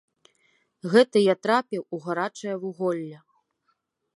Гэта я трапіў у гарачае вуголле.